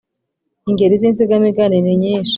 Ingeri z’insigamigani ni nyinshi